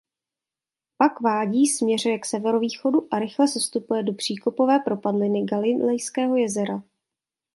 Pak vádí směřuje k severovýchodu a rychle sestupuje do příkopové propadliny Galilejského jezera.